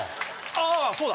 あそうだ！